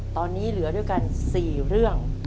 ตอนนี้เหลือด้วยกัน๔เรื่อง